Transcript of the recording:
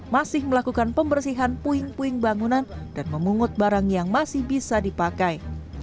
masih melakukan pembersihan puing puing bangunan dan memungut barang yang masih bisa dipakai